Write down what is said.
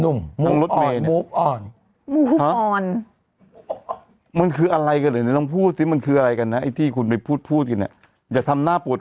ทั้งรถเมล์เนี่ยนุ่งละแยร์ไม่อย่าพล